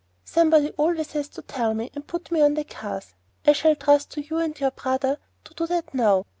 Somebody always has to tell me, and put me on the cars. I shall trust to you and your brother to do that now.